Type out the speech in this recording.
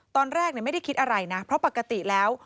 ตอนแรกไม่ได้คิดอะไรนะเพราะปกติแล้ว